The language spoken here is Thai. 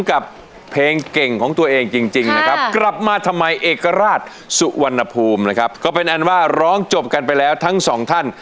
คุณคนรอภูมินะครับก็เป็นอันว่าร้องจบกันไปแล้วทั้งสองท่าน